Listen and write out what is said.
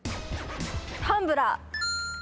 タンブラー。